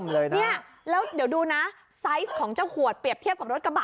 เลยนะเนี่ยแล้วเดี๋ยวดูนะไซส์ของเจ้าขวดเปรียบเทียบกับรถกระบะ